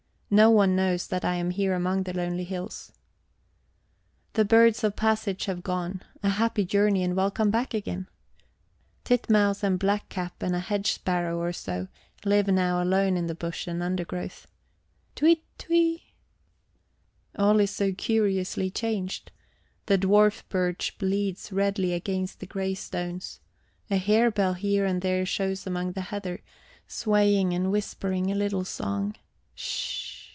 No one knows that I am here among the lonely hills. The birds of passage have gone; a happy journey and welcome back again! Titmouse and blackcap and a hedge sparrow or so live now alone in the bush and undergrowth: tuitui! All is so curiously changed the dwarf birch bleeds redly against the grey stones, a harebell here and there shows among the heather, swaying and whispering a little song: sh!